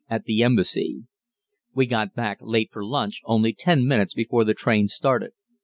at the Embassy. We got back late for lunch, only ten minutes before the train started.